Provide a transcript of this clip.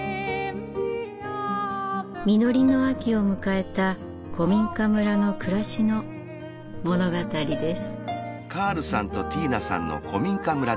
実りの秋を迎えた古民家村の暮らしの物語です。